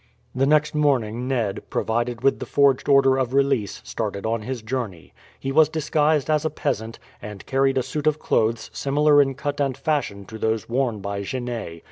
The next morning Ned, provided with the forged order of release, started on his journey. He was disguised as a peasant, and carried a suit of clothes similar in cut and fashion to those worn by Genet.